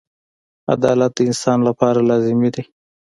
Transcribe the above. • عدالت د انسان لپاره لازمي دی.